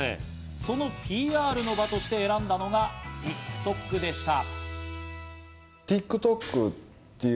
そのＰＲの場として選んだのがＴｉｋＴｏｋでした。